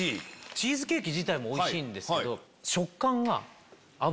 チーズケーキ自体もおいしいけど。